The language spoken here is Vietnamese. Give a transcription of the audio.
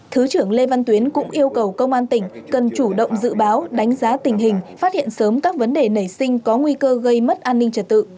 thứ trưởng lê văn tuyến cũng yêu cầu công an tỉnh cần chủ động dự báo đánh giá tình hình phát hiện sớm các vấn đề nảy sinh có nguy cơ gây mất an ninh trật tự